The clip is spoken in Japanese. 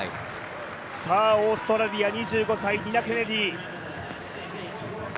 オーストラリア２５歳、ニナ・ケネディ。